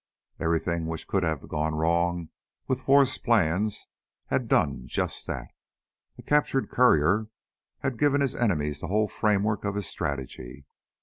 Everything which could have gone wrong with Forrest's plans had done just that. A captured courier had given his enemies the whole framework of his strategy.